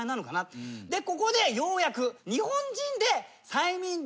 でここでようやく。